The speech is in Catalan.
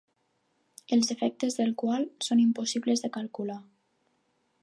Els efectes del qual són impossibles de calcular.